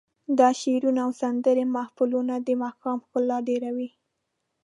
د شعرونو او سندرو محفلونه د ماښام ښکلا ډېروي.